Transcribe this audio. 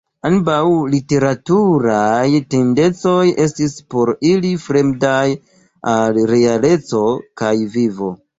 Ambaŭ literaturaj tendencoj estis por ili fremdaj al realeco kaj vivo.